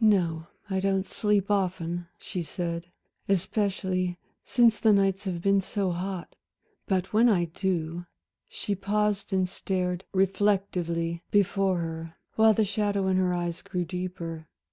"No, I don't sleep often," she said, "especially since the nights have been so hot. But when I do" she paused and stared reflectively before her, while the shadow in her eyes grew deeper.